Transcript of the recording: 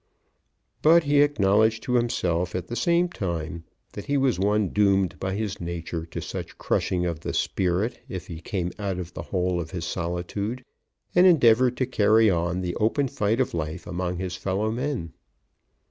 But he acknowledged to himself at the same time that he was one doomed by his nature to such crushing of the spirit if he came out of the hole of his solitude, and endeavoured to carry on the open fight of life among his fellow men.